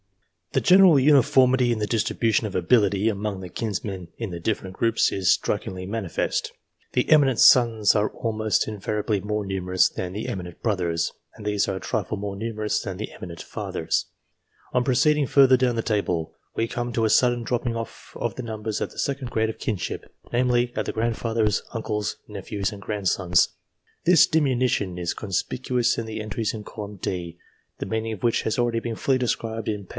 The general uniformity in the distribution of ability among the kinsmen in the different groups, is strikingly manifest. The eminent sons are almost invariably more numerous than the eminent brothers, and these are a trifle more numerous than the eminent fathers. On proceeding further down the table, we come to a sudden dropping off of the numbers at the second grade of kin ship, namely, at the grandfathers, uncles, nephews, and grandsons : this diminution is conspicuous in the entries in column D, the meaning of which has already been fully described in pp.